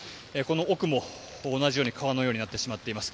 奥も同じように川のようになってしまっています。